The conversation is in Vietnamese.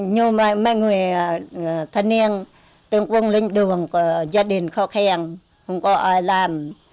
như mấy người thân niên tương quân linh đường của gia đình kho khen không có ai làm